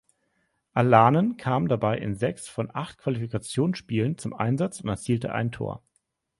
Alanen kam dabei in sechs von acht Qualifikationsspielen zum Einsatz und erzielte ein Tor.